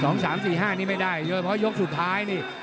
๒๓๔๕นี่ไม่ได้เพราะยกสุดท้ายนี่